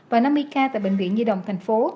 và năm mươi ca tại bệnh viện nhi đồng thành phố